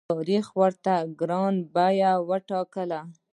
تاریخ ورته ګرانه بیه وټاکله.